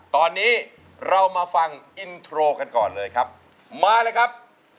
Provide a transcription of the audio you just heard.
ตอนนี้เรามาฟังอินโทรกันก่อนเลยครับมาเลยครับ